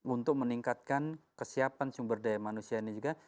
untuk meningkatkan kesiapan sumber daya manusia ini juga